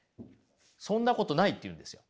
そんなことないって言うんですよ。